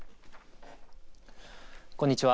こんにちは。